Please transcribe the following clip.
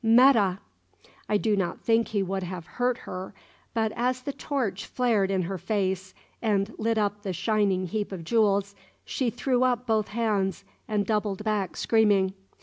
"'Metta!" I do not think he would have hurt her. But as the torch flared in her face and lit up the shining heap of jewels, she threw up both hands and doubled back screaming.